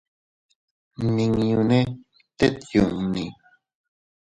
Nmiñune tet yunni.